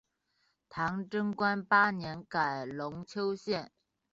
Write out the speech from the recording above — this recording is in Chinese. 唐贞观八年改龙丘县。